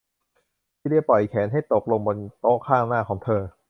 ซีเลียปล่อยแขนให้ตกลงบนโต๊ะข้างหน้าของเธอ